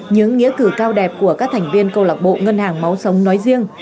những nghĩa cử cao đẹp của các thành viên câu lạc bộ ngân hàng máu sống nói riêng